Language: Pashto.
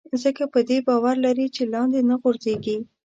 ځکه په دې باور لري چې لاندې نه غورځېږي.